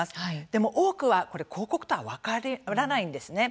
でも多くは広告とは分からないんですね。